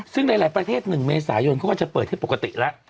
ซึ่งหลายประเทศ๑เมษายนเขาก็จะเปิดให้ปกติแล้ว